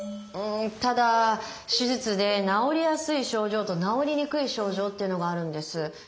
うんただ手術で治りやすい症状と治りにくい症状っていうのがあるんです。